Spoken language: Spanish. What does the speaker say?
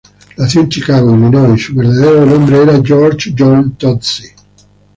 Nacido en Chicago, Illinois, su verdadero nombre era George John Tozzi.